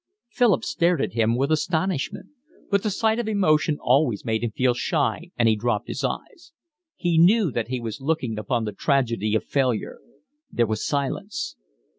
Philip stared at him with astonishment, but the sight of emotion always made him feel shy, and he dropped his eyes. He knew that he was looking upon the tragedy of failure. There was silence.